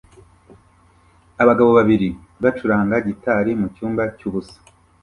abagabo babiri bacuranga gitari mucyumba cyubusa